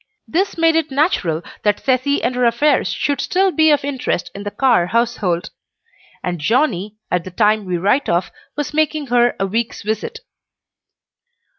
This made it natural that Cecy and her affairs should still be of interest in the Carr household; and Johnnie, at the time we write of, was making her a week's visit.